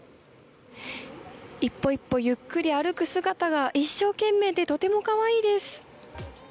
一歩一歩ゆっくり歩く姿が、一生懸命でとてもかわいいです。